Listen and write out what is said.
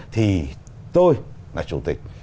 thì tôi là chủ tịch